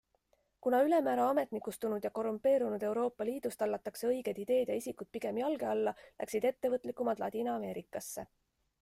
Kuna ülemäära ametnikustunud ja korrumpeerunud Euroopa Liidus tallatakse õiged ideed ja isikud pigem jalge alla, läksid ettevõtlikumad Ladina-Ameerikasse.